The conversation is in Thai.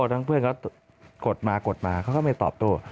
ทั้งเพื่อนเขากดมากดมาเขาก็ไม่ตอบโต้